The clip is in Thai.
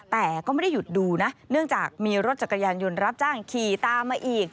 แต่ก็ไม่ได้หยุดดูนะเนื่องจากมีรถจักรยานยนต์รับจ้างขี่ตามมาอีก